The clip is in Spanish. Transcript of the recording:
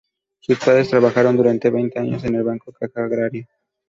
Sus padres trabajaron durante veinte años en el "Banco Caja Agraria".